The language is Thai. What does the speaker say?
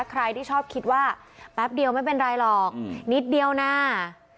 ใครที่ชอบคิดว่าแป๊บเดียวไม่เป็นไรหรอกนิดเดียวนะ